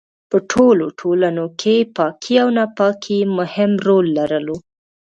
په ټولو ټولنو کې پاکي او ناپاکي مهم رول لرلو.